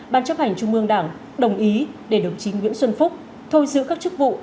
ban chấp hành trung mương đảng đồng ý để đồng chí nguyễn xuân phúc thôi giữ các chức vụ